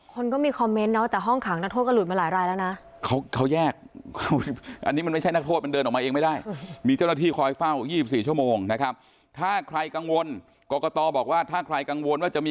คนก็มีคอมเม้นเทอะแต่ห้องขังท่าก็หลุดมาหลายแล้วนะเขาแยกอันนี้มันไม่ใช่นักโทษมันเดินออกมาเองไม่ได้มีเจ้าหน้าที่คอยเฝ้า๒๔ชั่วโมงนะครับถ้าใครกังวลกรกตบอกว่าถ้าใครกังวลว่าจะมี